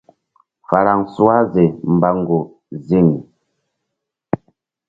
Francoise mbango ziŋ.